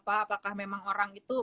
apakah memang orang itu